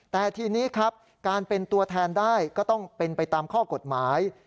แต่ทีนี้ครับการเป็นตัวแทนได้ก็ต้องเป็นไปตามข้อกฎหมาย